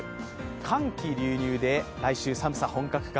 寒気流入で、来週寒さ本格化。